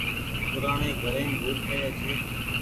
پورآڻي گهريم ڀوت ريوي ڇي۔